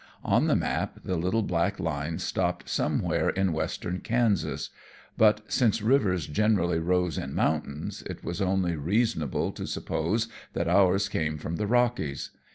On the map the little black line stopped somewhere in western Kansas; but since rivers generally rose in mountains, it was only reasonable to suppose that ours came from the Rockies.